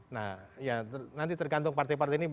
nah ya nanti tergantung partai partai ini